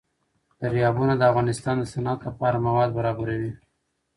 دریابونه د افغانستان د صنعت لپاره مواد برابروي.